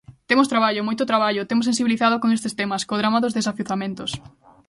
Temos traballo, moito traballo, temos sensibilizado con estes temas, co drama dos desafiuzamentos.